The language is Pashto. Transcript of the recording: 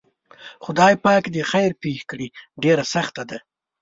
خدای پاک دې خیر پېښ کړي ډېره سخته ده.